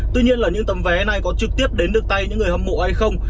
tuy nhiên là những tấm vé này có trực tiếp đến được tay những người hâm mộ hay không